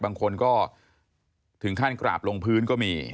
บางคนก็ถึงขั้นกราบลงพื้นก็มี